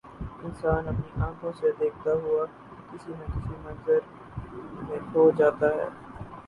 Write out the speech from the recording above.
انسان اپنی آنکھوں سے دیکھتا ہوا کسی نہ کسی منظر میں کھو جاتا ہے